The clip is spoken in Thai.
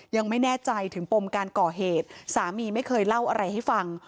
ยังไม่แน่ใจถึงปมการก่อเหตุสามีไม่เคยเล่าอะไรให้ฟัง